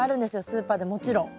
スーパーでもちろん。